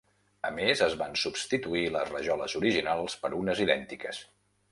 A més, es van substituir les rajoles originals per unes idèntiques.